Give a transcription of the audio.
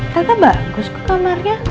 tata bagus kok kamarnya